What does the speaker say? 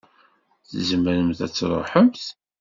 Tzemremt ad tṛuḥemt.